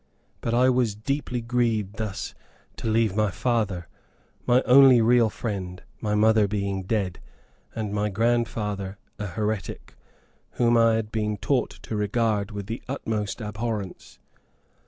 But I was deeply grieved thus to leave my father, my only real friend, my mother being dead, and my grandfather a heretic, whom I had been taught to regard with the utmost abhorrence.